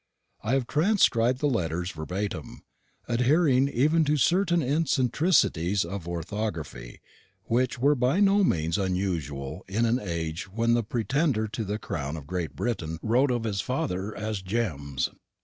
I have transcribed the letters verbatim, adhering even to certain eccentricities of orthography which were by no means unusual in an age when the Pretender to the crown of Great Britain wrote of his father as Gems.